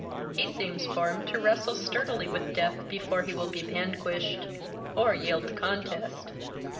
He seems formed to wrestle sturdily with death before he will be vanquished, or yield the contest."